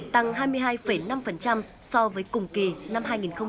tăng hai mươi hai năm so với cùng kỳ năm hai nghìn một mươi tám